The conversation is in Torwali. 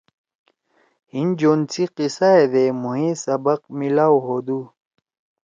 ہیِن جوند سی قصّا ئے دے مھوئے سبق میلاؤ ہودُو